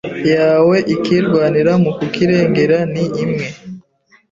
yawe ukirwanira mu kukirengera ni imwe